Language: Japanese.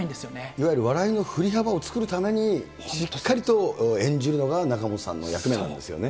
いわゆる笑いのふり幅を作るために、しっかりと演じるのが、仲本さんの役目なんですよね。